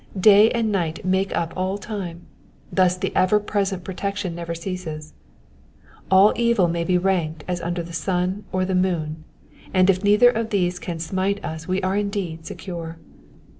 Day and ni^ht make up all time : thus the ever present protection never ceases. All evil may be ranked as under the sun or the moon, and if neither of these can smite us we are indeed secure.